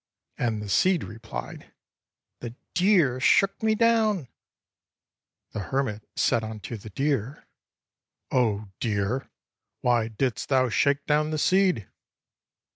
And the seed replied: "The deer shook me down." The hermit said unto the deer, "0 deer, why didst thou shake down the seed?"